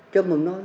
cho mầm non